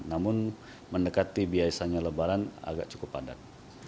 namun mendekati biasanya lebaran agak cukup padat